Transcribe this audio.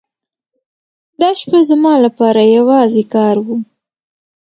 دا شپه زما لپاره یوازې کار و.